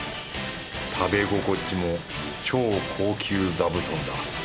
食べ心地も超高級ざぶとんだ。